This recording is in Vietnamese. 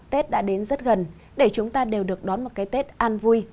tết đã đến rất gần để chúng ta đều được đón một cái tết an vui